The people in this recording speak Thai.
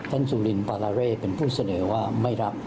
สุรินปาราเร่เป็นผู้เสนอว่าไม่รับ